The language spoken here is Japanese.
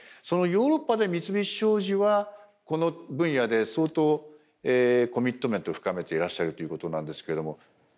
そのヨーロッパで三菱商事はこの分野で相当コミットメントを深めていらっしゃるということなんですけれども。